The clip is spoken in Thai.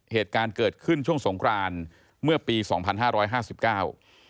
เหตุการณ์เกิดขึ้นช่วงสงครานเมื่อปีสองพันห้าร้อยห้าสิบเก้า